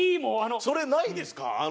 それないですか？